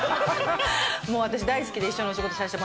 もう私大好きで一緒にお仕事させてもらって。